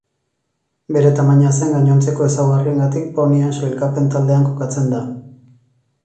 Bere tamaina zein gainontzeko ezaugarriengatik ponien sailkapen taldean kokatzen da.